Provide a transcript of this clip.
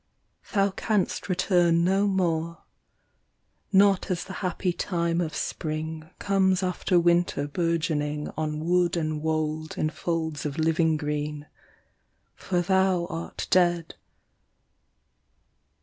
Thou canst return no more ; Not as the happy time of spring Comes after winter burgeoning On wood and wold in folds of living green, for thou art dead.